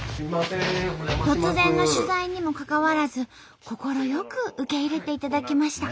突然の取材にもかかわらず快く受け入れていただきました。